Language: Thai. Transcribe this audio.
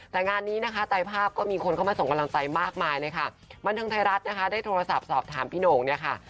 แต่งานนี้นะคะใจภาพก็มีคนเข้ามาส่งกำลังใจมากมายเลยค่ะบรรทึงไทยรัฐนะคะได้โทรศัพท์สอบถามพี่โหน่งเนี่ยค่ะ